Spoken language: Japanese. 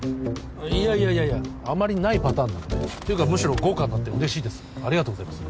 いやいやいやいやあまりないパターンなのでていうかむしろ豪華になって嬉しいですありがとうございます